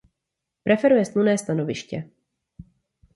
Preferuje slunné stanoviště.